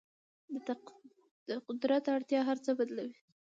د قدرت اړتیا هر څه بدلوي.